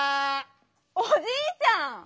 おじいちゃん！